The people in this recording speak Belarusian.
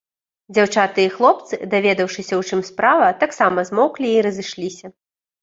Дзяўчаты і хлопцы, даведаўшыся, у чым справа, таксама змоўклі і разышліся.